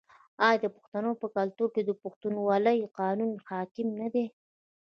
آیا د پښتنو په کلتور کې د پښتونولۍ قانون حاکم نه دی؟